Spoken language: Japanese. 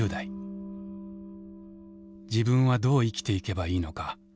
自分はどう生きていけばいいのか。